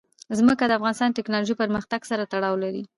ځمکه د افغانستان د تکنالوژۍ پرمختګ سره تړاو لري.